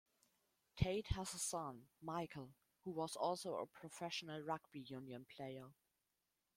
Tait has a son, Michael, who was also a professional rugby union player.